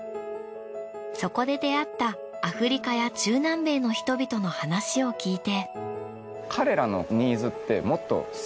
そこで出会ったアフリカや中南米の人々の話を聞いて。